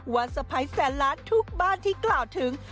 สะพ้ายแสนล้านทุกบ้านที่กล่าวถึง